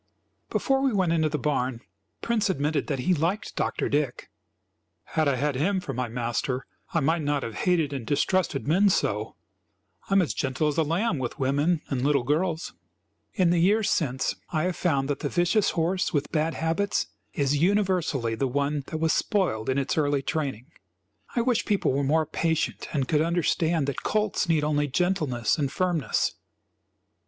Before we went into the barn, Prince admitted that he liked Dr. Dick. "Had I had him for my master I might not have hated and distrusted men so. I am as gentle as a lamb with women and little girls." In the years since, I have found that the vicious horse with bad habits is universally the one that was spoiled in its early training. I wish people were more patient and could understand that colts need only gentleness and firmness.